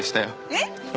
えっ！？